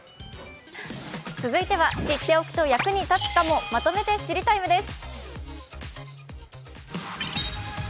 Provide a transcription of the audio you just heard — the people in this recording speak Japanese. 続いては知っておくと役に立つかもまとめて「知りＴＩＭＥ，」です。